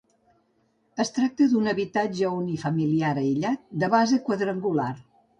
Es tracta d'un habitatge unifamiliar aïllat, de base quadrangular.